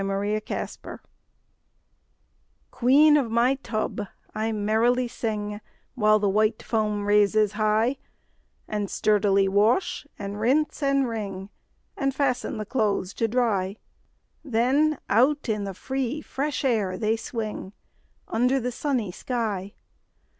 8 Autoplay Queen of my tub, I merrily sing, While the white foam raises high, And sturdily wash, and rinse, and wring, And fasten the clothes to dry; Then out in the free fresh air they swing, Under the sunny sky.